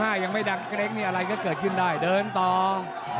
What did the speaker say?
มั่นใจว่าจะได้แชมป์ไปพลาดโดนในยกที่สามครับเจอหุ้กขวาตามสัญชาตยานหล่นเลยครับ